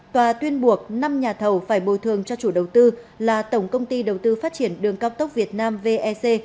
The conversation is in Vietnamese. tòa tuyên buộc năm nhà thầu phải bồi thường cho chủ đầu tư là tổng công ty đầu tư phát triển đường cao tốc việt nam vec